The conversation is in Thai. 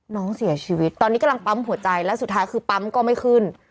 น้องเสียชีวิตตอนนี้กำลังปั๊มหัวใจและสุดท้ายคือปั๊มก็ไม่ขึ้น